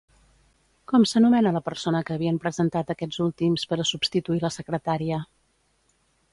Com s'anomena la persona que havien presentat aquests últims per a substituir la secretària?